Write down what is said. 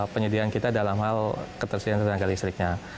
penyediaan kita dalam hal ketersediaan tenaga listriknya